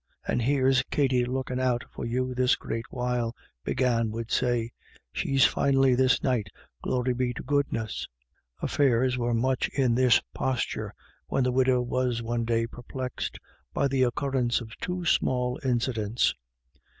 " And here's Katty lookin' out for you this great while," Big Anne would say ;" she's finely this night, glory be to goodness." Affairs were much in this posture, when the widow was one day perplexed by the occurrence of two small incidents.